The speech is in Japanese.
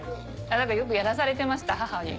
よくやらされてました母に。